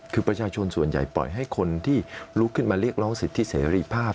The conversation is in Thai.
คือประชาชนส่วนใหญ่ปล่อยให้คนที่ลุกขึ้นมาเรียกร้องสิทธิเสรีภาพ